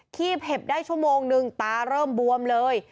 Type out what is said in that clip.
ีบเห็บได้ชั่วโมงนึงตาเริ่มบวมเลย